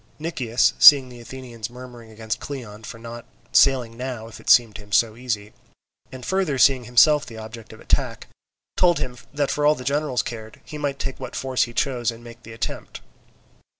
Nicias, seeing the Athenians murmuring against Cleon for not sailing now if it seemed to him so easy, and further seeing himself the object of attack, told him that for all that the generals cared, he might take what force he chose and make the attempt.